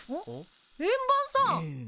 円盤さん！